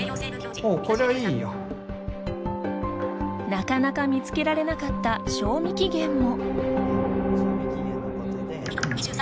なかなか見つけられなかった賞味期限も。